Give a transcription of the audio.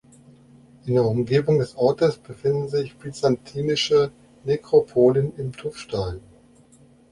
In der Umgebung des Ortes befinden sich byzantinische Nekropolen im Tuffstein.